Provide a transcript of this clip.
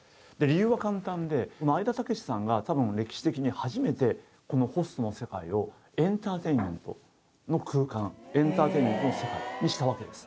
理由は簡単でこの愛田武さんが多分歴史的に初めてこのホストの世界をエンターテインメントの空間エンターテインメントの世界にしたわけです